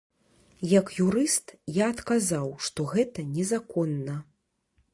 Як юрыст, я адказаў, што гэта незаконна.